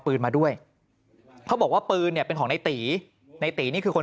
ปืนมาด้วยเขาบอกว่าปืนเนี่ยเป็นของในตีในตีนี่คือคน